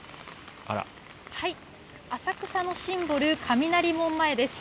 浅草のシンボル、雷門前です。